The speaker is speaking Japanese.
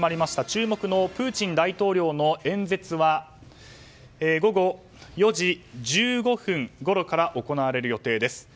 注目のプーチン大統領の演説は午後４時１５分ごろから行われる予定です。